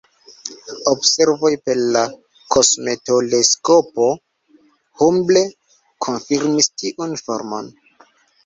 Observoj per la kosmoteleskopo Hubble konfirmis tiun formon.